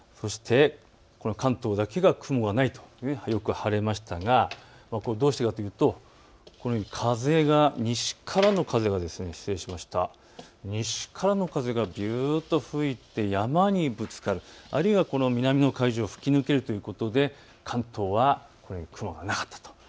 関東だけが雲がない、よく晴れましたがどうしてかというとこのように西からの風がびゅーっと吹いて山にぶつかるあるいは南の海上に吹き抜けるということで関東は雲がなかったと。